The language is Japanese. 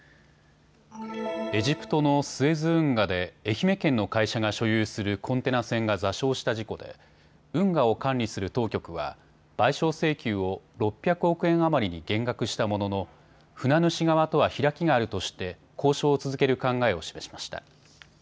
エジプトのスエズ運河で愛媛県の会社が所有するコンテナ船が座礁した事故で運河を管理する当局は賠償請求を６００億円余りに減額したものの船主側とは開きがあるとして交渉を続ける考えを示しました。